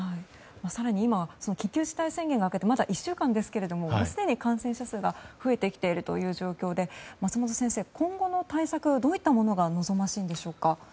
更に今、緊急事態宣言が明けてまだ１週間ですけどももうすでに感染者数が増えてきている状況で松本先生、今後の対策どういったものが望ましいんでしょうか。